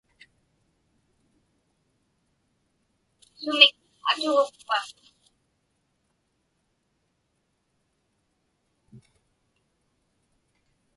Sumik atuġukpa?